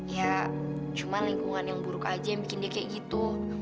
ya cuma lingkungan yang buruk aja yang bikin dia kayak gitu